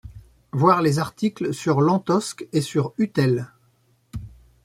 Voir les articles sur Lantosque et sur Utelle.